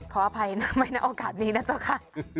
ขออภัยนะไม่ได้โอกาสนี้นะเจ้าค่ะ